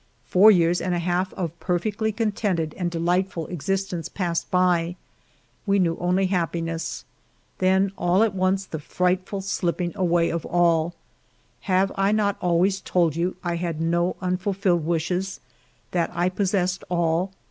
Four years and a half of a perfectly contented and delightful existence passed by. ISO FIVE YEARS OF MY LIFE We knew only happiness. Then, all at once, the frightful slipping away of all ! Have I not always told you I had no unfulfilled wishes ; that I possessed all